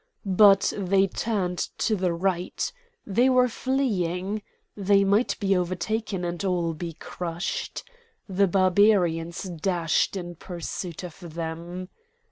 But they turned to the right: they were fleeing. They might be overtaken and all be crushed. The Barbarians dashed in pursuit of them.